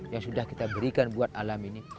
yang sudah kita berikan buat alam ini